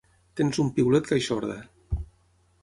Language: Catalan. Tens un piulet que eixorda.